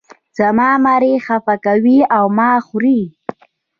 زما مرۍ خپه کوې او ما خورې.